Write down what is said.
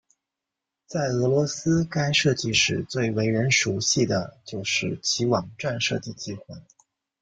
在俄罗斯该设计室最为人熟悉就是其网站设计计划。